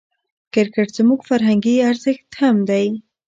کرکټ زموږ فرهنګي ارزښت هم دئ.